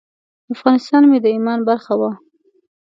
افغانستان مې د ایمان برخه وه.